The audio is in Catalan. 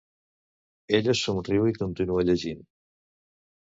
Ella somriu i continua llegint.